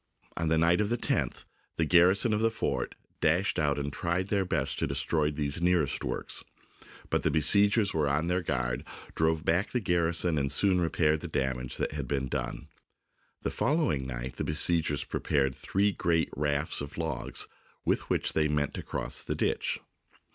On the night of the 10th the garrison of the fort dashed out and tried their best to destroy these nearest works, but the besiegers were on their guard, drove back the garrison, and soon repaired the damage that had been done. The following night the besiegers prepared three great rafts of logs with which they meant to cross the ditch.